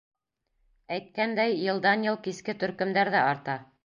Әйткәндәй, йылдан-йыл киске төркөмдәр ҙә арта.